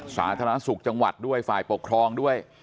สาธารณสุขจังหวัดด้วยฝ่ายปกครองด้วย